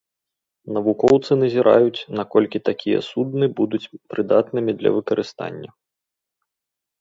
Навукоўцы назіраюць, наколькі такія судны будуць прыдатнымі для выкарыстання.